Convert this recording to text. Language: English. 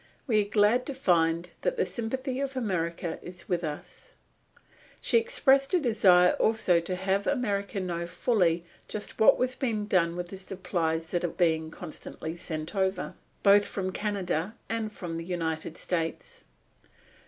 We are glad to find that the sympathy of America is with us," She expressed a desire also to have America know fully just what was being done with the supplies that are being constantly sent over, both from Canada and from the United States.